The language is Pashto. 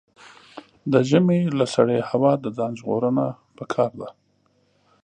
د ژمي له سړې هوا د ځان ژغورنه پکار ده.